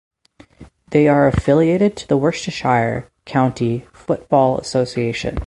They are affiliated to the Worcestershire County Football Association.